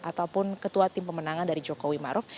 ataupun ketua tim pemenangan dari jokowi maruf